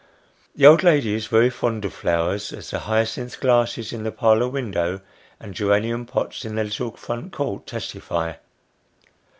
The old lady is very fond of flowers, as the hyacinth glasses in the parlour window, and geranium pots in the little front court, testify.